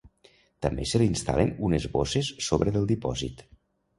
També se li instal·len unes bosses sobre del dipòsit.